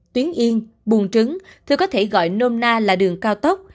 tuyến yên buồn trứng tôi có thể gọi nôm na là đường cao tốc